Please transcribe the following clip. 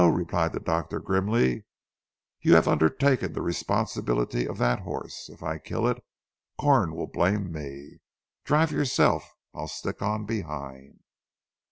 replied the doctor grimly, "you have undertaken the responsibility of that horse. If I kill it, Corn will blame me. Drive yourself. I'll stick on behind."